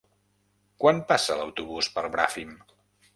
Quan passa l'autobús per Bràfim?